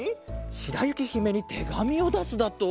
しらゆきひめにてがみをだすだと？